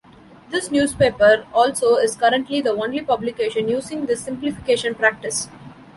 This newspaper also is currently the only publication using this simplification practice.